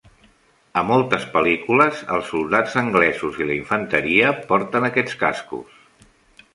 A moltes pel·lícules, els soldats anglesos i la infanteria porten aquests cascos.